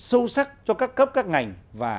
sâu sắc cho các cấp các ngành và